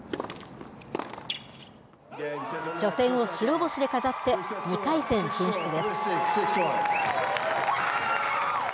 初戦を白星で飾って、２回戦進出です。